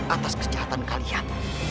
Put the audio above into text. atas kejahatan kalian